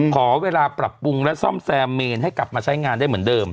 ขอเวลาปรับปรุงและซ่อมแซมเมนให้กลับมาใช้งานได้เหมือนเดิม